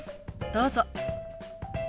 どうぞ。